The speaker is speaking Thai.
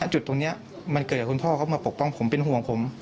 จุดตรงนี้มันเกิดจากคุณพ่อเขามาปกป้องผมเป็นห่วงผม